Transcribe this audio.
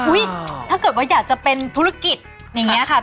อุ๊ยถ้าเกิดว่าอยากจะเป็นธุรกิจเนี่ยค่ะ